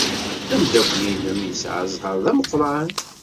Ameddakel-nnem yesɛa zzheṛ d ameqran.